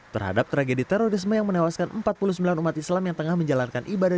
terhadap tragedi terorisme yang menewaskan empat puluh sembilan umat islam yang tengah menjalankan ibadah